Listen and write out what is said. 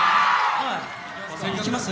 行きます？